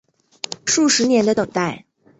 数十年的等待